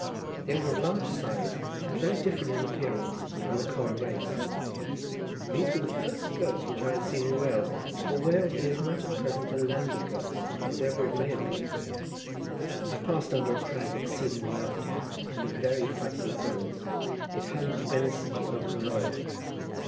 They were of large size, and very different in appearance from the common race. These were the first goats which I had seen in Wales; for Wales is not at present the land of goats, whatever it may have been. I passed under a crag, exceedingly lofty, and of very frightful appearance. It hung menacingly over the road.